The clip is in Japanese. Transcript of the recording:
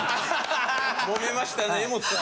もめましたね江本さん。